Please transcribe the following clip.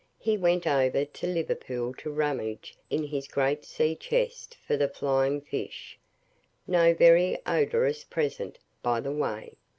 He went over to Liverpool to rummage in his great sea chest for the flying fish (no very odorous present by the way).